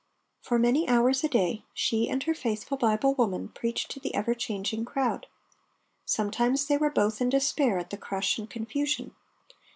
For many hours a day she and her faithful Bible woman preached to the ever changing crowd. Sometimes they were both in despair at the crush and confusion.